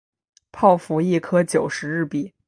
泡芙一颗九十日币